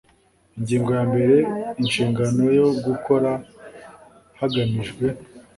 ingingo ya mbere inshingano yo gukora hagamijwe